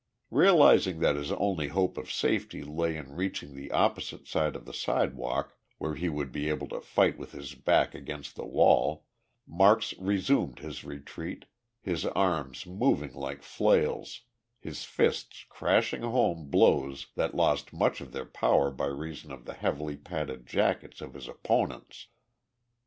Realizing that his only hope of safety lay in reaching the opposite side of the sidewalk, where he would be able to fight with his back against the wall, Marks resumed his retreat, his arms moving like flails, his fists crashing home blows that lost much of their power by reason of the heavily padded jackets of his opponents.